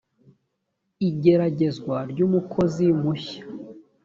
igeragezwa ry umukozi mushya